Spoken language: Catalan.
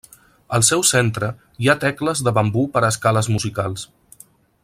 Al seu centre, hi ha tecles de bambú per a escales musicals.